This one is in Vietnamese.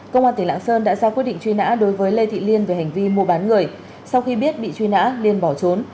công an tỉnh lạng sơn đã ra quyết định truy nã đối với lê thị liên về hành vi mua bán người sau khi biết bị truy nã liên bỏ trốn